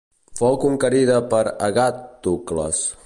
Fou conquerida per Agàtocles.